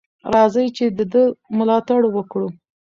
راځئ چې د ده ملاتړ وکړو.